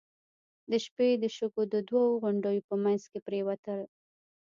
د شپې د شګو د دوو غونډيو په مينځ کې پرېوتل.